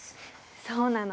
そうなの。